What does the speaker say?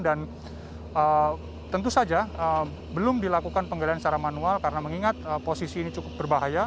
dan tentu saja belum dilakukan penggalian secara manual karena mengingat posisi ini cukup berbahaya